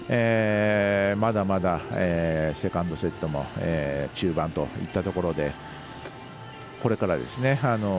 まだまだ、セカンドセットも中盤といったところでこれからですね。